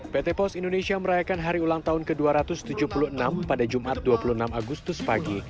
pt pos indonesia merayakan hari ulang tahun ke dua ratus tujuh puluh enam pada jumat dua puluh enam agustus pagi